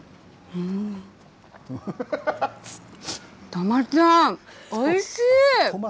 とまちゃん、おいしい。